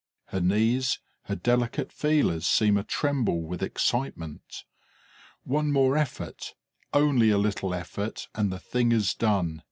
Her knees, her delicate feelers seem atremble with excitement. One more effort, only a little effort, and the thing is done.